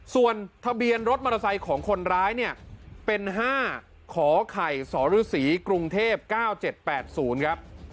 ส่วนทะเบียนรถมอเตอร์ไซค์ของคนร้ายเนี่ยเป็นห้าขอไขสรศรีกรุงเทพเก้าเจ็ดแปดศูนย์ครับ